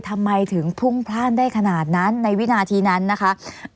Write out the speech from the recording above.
ทำไมถึงพุ่งพลาดได้ขนาดนั้นในวินาทีนั้นนะคะ